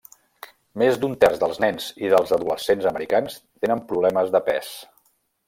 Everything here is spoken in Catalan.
Més d'un terç dels nens i dels adolescents americans tenen problemes de pes.